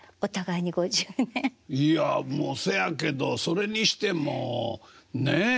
いやせやけどそれにしてもねえ？